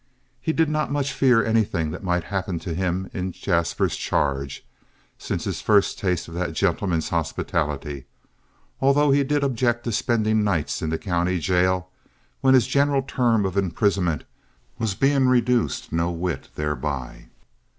He did not much fear anything that might happen to him in Jaspers's charge since his first taste of that gentleman's hospitality, although he did object to spending nights in the county jail when his general term of imprisonment was being reduced no whit thereby.